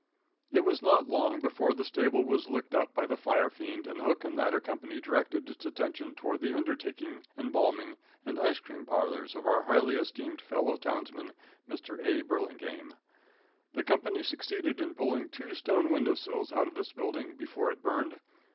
It was not long before the stable was licked up by the firefiend, and the hook and ladder company directed its attention toward the undertaking, embalming, and ice cream parlors of our highly esteemed fellow townsman, Mr. A. Burlingame. The company succeeded in pulling two stone window sills out of this building before it burned.